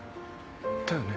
だよね？